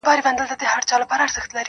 • امن راغلی ډوډۍ دي نه وي -